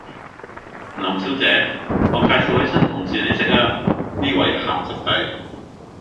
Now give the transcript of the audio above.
林小姐，我介紹位新同事你識呀，呢位鹹濕仔